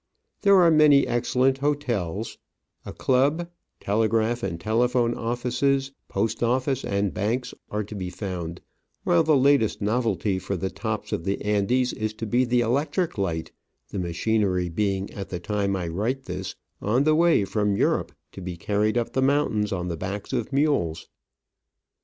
There are many excellent hotels; a club, telegraph and telephone offices, post office and banks are to be found ; while the latest novelty for the tops of the Andes is to be the electric light, the machinery being, at the time I write this, on the way from Europe to be carried up the mountains on the backs of mules.